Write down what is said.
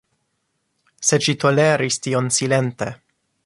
Sed ŝi toleris tion silente.